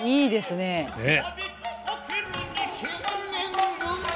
ねえ。